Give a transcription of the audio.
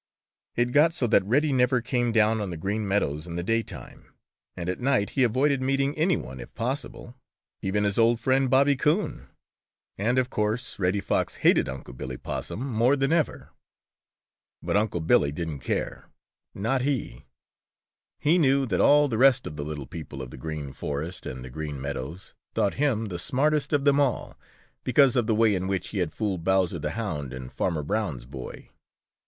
It got so that Reddy never came down on the Green Meadows in the daytime, and at night he avoided meeting any one if possible, even his old friend, Bobby Coon. And of course Reddy Fox hated Unc' Billy Possum more than ever. But Unc' Billy didn't care, not he! He knew that all the rest of the little people of the Green Forest and the Green Meadows thought him the smartest of them all, because of the way in which he had fooled Bowser the Hound and Farmer Brown's boy.